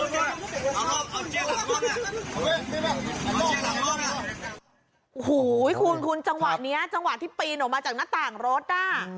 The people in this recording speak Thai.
จังหวะที่ปีนออกมาจากหน้าต่างรถน่ะ